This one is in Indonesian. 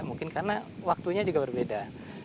mungkin karena waktunya juga berbeda